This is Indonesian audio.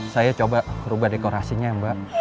saya coba rubah dekorasinya mbak